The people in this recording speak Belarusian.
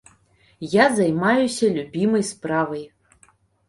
Я займаюся любімай справай.